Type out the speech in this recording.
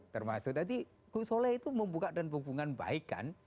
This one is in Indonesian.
termasuk jadi gus solah itu membuka dan hubungan baik kan